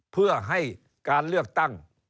เพื่อให้การเลือกตั้ง